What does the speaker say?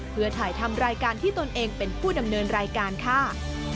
เพื่อถ่ายทำรายการที่ตนเองเป็นผู้ดำเนินรายการค่ะ